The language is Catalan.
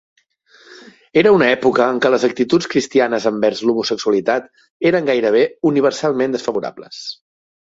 Era una època en què les actituds cristianes envers l'homosexualitat eren gairebé universalment desfavorables.